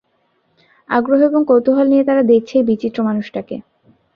আগ্রহ এবং কৌতূহল নিয়ে তারা দেখছে এই বিচিত্র মানুষটাকে।